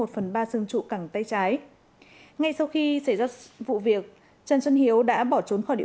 một phần ba xương trụ cẳng tay trái ngay sau khi xảy ra vụ việc trần xuân hiếu đã bỏ trốn khỏi địa